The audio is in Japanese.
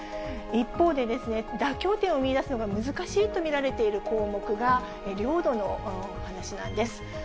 一方で、妥協点を見いだすのが難しいと見られている項目が、領土の話なんです。